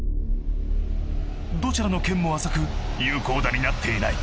どちらの剣も浅く有効打になっていない。